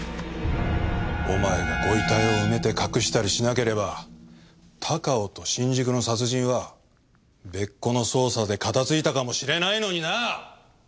お前がご遺体を埋めて隠したりしなければ高尾と新宿の殺人は別個の捜査で片付いたかもしれないのになあ！